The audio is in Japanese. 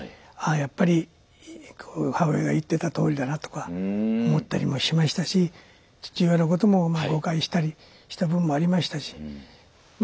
やっぱり母親が言ってたとおりだなとか思ったりもしましたし父親のこともまあ誤解したりした部分もありましたしま